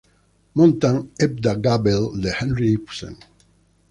Montan "Hedda Gabler", de Henrik Ibsen.